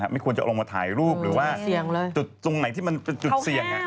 ไม่ควรจะลงมาถ่ายรูปหรือว่าจุดตรงไหนที่มันเป็นจุดเสี่ยง